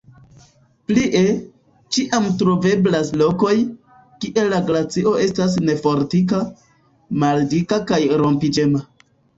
Plie, ĉiam troveblas lokoj, kie la glacio estas nefortika, maldika kaj rompiĝema.